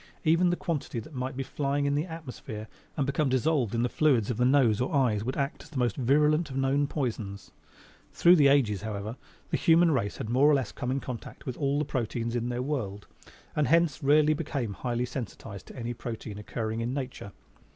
Even the quantity that might be flying in the atmosphere and become dissolved in the fluids of the nose or eyes would act as the most virulent of known poisons. Through the ages, however, the human race had more or less come in contact with all the proteins in their world and hence rarely became highly sensitized to any protein occurring in nature.